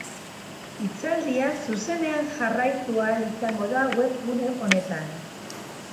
Hitzaldia zuzenean jarraitu ahal izango da webgune honetan.